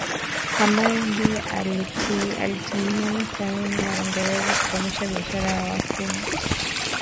ambaye ndiye alitiliana saini na Uingereza kukomesha biashara ya watumwa